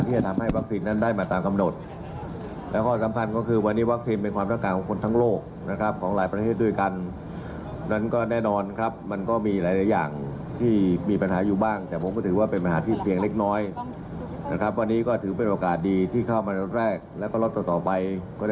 เป็นที่มันคาดการณ์ไม่ได้